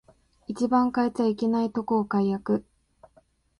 一番変えちゃいけないとこを改悪